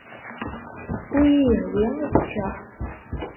Ur iyi-yehwi ad ččeɣ.